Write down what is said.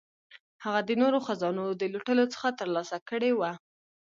هغه د نورو خزانو د لوټلو څخه ترلاسه کړي وه.